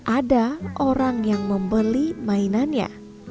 ada orang yang membeli mainannya